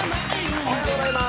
おはようございます。